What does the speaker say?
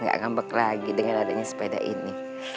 gak ngambek lagi dengan adanya sepeda ini